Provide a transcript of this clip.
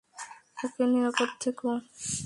ওকে নিরাপদ থেকো।